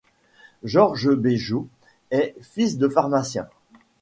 Georges Béjot est fils de pharmacien.